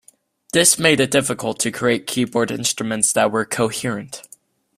This made it difficult to create keyboard instruments that were 'coherent'.